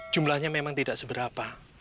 jumlahnya memang tidak seberapa